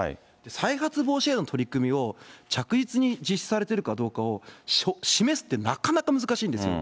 再発防止への取り組みを着実に実施されているかどうかを示すって、なかなか難しいんですよ。